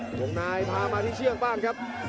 หยกนายพามาที่เชื่องบ้างครับ